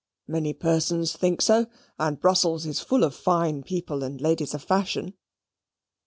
Many persons think so; and Brussels is full of fine people and ladies of fashion."